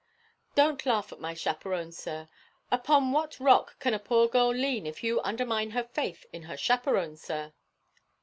'Don't laugh at my chaperon, sir. Upon what rock can a poor girl lean if you undermine her faith in her chaperon, sir.'